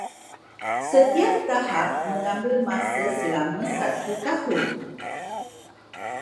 Setiap tahap mengambil masa selama satu tahun.